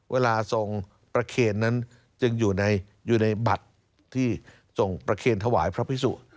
เวลาส่งประเขณฑ์นั้นจึงอยู่ในอยู่ในบัตรที่ส่งประเขณฑ์ถวายพระพิสุ